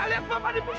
itu bapak bapak